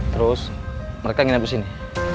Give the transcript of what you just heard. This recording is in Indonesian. terus mereka ingin habis ini